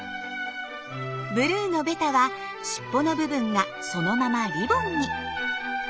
ブルーのベタはしっぽの部分がそのままリボンに。